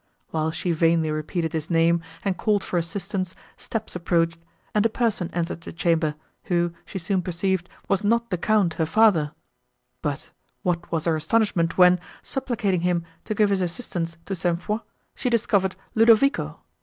While she vainly repeated his name, and called for assistance, steps approached, and a person entered the chamber, who, she soon perceived, was not the Count, her father; but, what was her astonishment, when, supplicating him to give his assistance to St. Foix, she discovered Ludovico!